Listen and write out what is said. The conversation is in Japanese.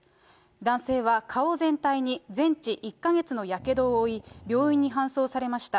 男性は顔全体に全治１か月のやけどを負い病院に搬送されました。